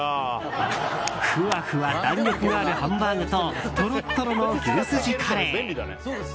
ふわふわ弾力があるハンバーグととろっとろの牛すじカレー。